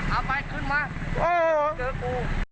เอาไหมขึ้นมาเจอกู